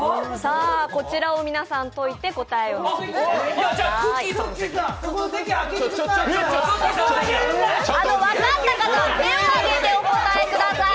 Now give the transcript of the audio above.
こちらを皆さん解いてください。